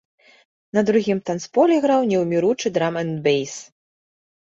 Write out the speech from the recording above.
На другім танцполе граў неўміручы драм-энд-бэйс.